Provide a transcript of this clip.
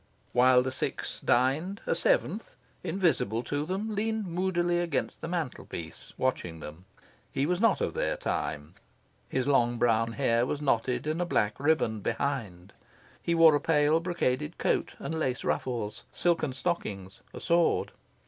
While the six dined, a seventh, invisible to them, leaned moodily against the mantel piece, watching them. He was not of their time. His long brown hair was knotted in a black riband behind. He wore a pale brocaded coat and lace ruffles, silken stockings, a sword.